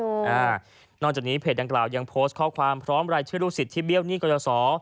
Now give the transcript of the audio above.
อ่านอกจากนี้เพจดังกล่าวยังโพสต์ข้อความพร้อมรายชื่อลูกศิษย์ที่เบี้ยหนี้กรสอ